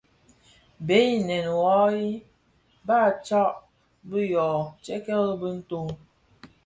Bèè inë ù yaghii, baà tsad bi yô tikerike bì ntó.